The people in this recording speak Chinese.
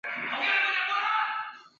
阮廷宾因筹度失宜革职。